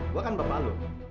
gue kan bapak lo